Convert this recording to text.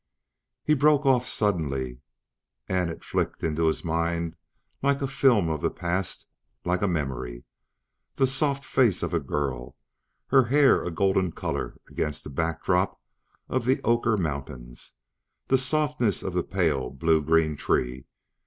He broke off suddenly and it flicked into his mind like a film of the past, like a memory. The soft face of the girl, her hair a golden color against the backdrop of the ochre mountains ... the softness of the pale blue green tree...